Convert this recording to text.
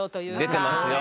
出てますよ。